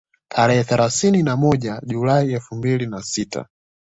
Tarehe thelathini na moja Julai elfu mbili na sita